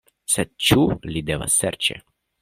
Sed ĉu li devas serĉi?